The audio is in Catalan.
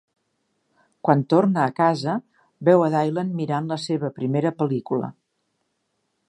Quan torna a casa, veu a Dylan mirant la seva primera pel·lícula.